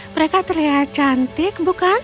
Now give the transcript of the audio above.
mereka terlihat cantik bukan